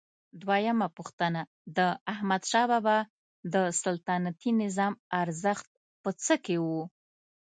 دویمه پوښتنه: د احمدشاه بابا د سلطنتي نظام ارزښت په څه کې و؟